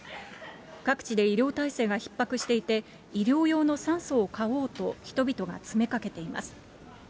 各地で医療体制がひっ迫していて、医療用の酸素を買おうと、人々が詰めかけています。